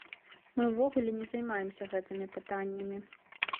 Мы увогуле на займаемся гэтымі пытаннямі.